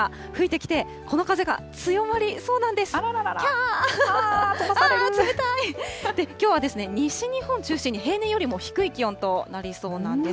きょうは西日本中心に平年よりも低い気温となりそうなんです。